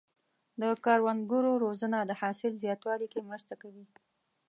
د کروندګرو روزنه د حاصل زیاتوالي کې مرسته کوي.